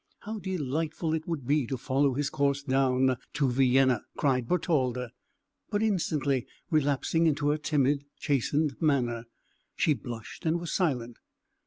"How delightful it would be to follow his course down to Vienna!" cried Bertalda; but instantly relapsing into her timid, chastened manner, she blushed and was silent.